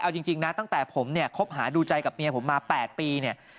เอาจริงนะตั้งแต่ผมเนี่ยคบหาดูใจกับเมียผมมา๘ปีเนี่ย